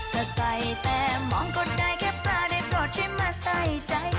เธอใส่แต่มองก็ได้แค่ปลาได้ปลอดชิ้นมาใส่ใจ